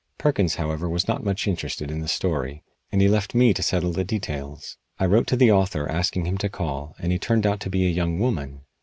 Perkins, however, was not much interested in the story, and he left me to settle the details. I wrote to the author asking him to call, and he turned out to be a young woman.